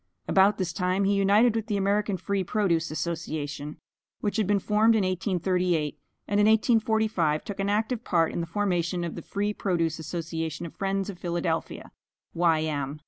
About this time he united with the American Free Produce Association, which had been formed in 1838, and in 1845 took an active part in the formation of the Free Produce Association of Friends of Philadelphia, Y.M.